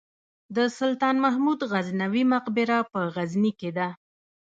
د سلطان محمود غزنوي مقبره په غزني کې ده